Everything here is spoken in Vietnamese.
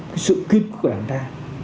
cái sự kiên trúc của đảng ta